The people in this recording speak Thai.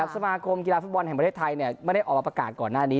สมาคมกีฬาฟุตบอลแห่งประเทศไทยไม่ได้ออกมาประกาศก่อนหน้านี้